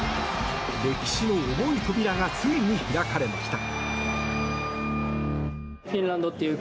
歴史の重い扉がついに開かれました。